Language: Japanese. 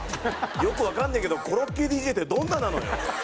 よくわかんねえけどコロッケＤＪってどんななのよ。